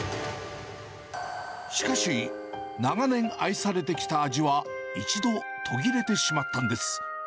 しかし長年愛されてきた味は、一度途切れてしまったんです。